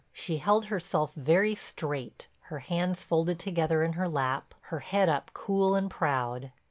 She held herself very straight, her hands folded together in her lap, her head up cool and proud.